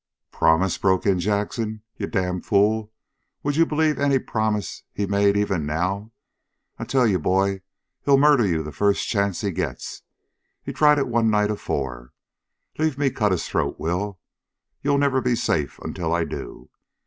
"Promise?" broke in Jackson. "Ye damned fool, would ye believe ary promise he made, even now? I tell ee, boy, he'll murder ye the fust chanct he gits! He's tried hit one night afore. Leave me cut his throat, Will! Ye'll never be safe ontel I do.